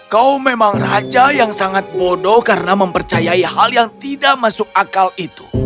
kau memang raja yang sangat bodoh karena mempercayai hal yang tidak masuk akal itu